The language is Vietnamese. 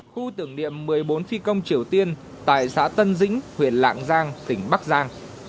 khu tưởng niệm một mươi bốn phi công triều tiên tại xã tân dĩnh huyện lạng giang tỉnh bắc giang